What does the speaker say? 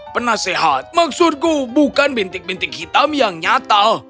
penasehat maksudku bukan bentik bentik hitam yang nyata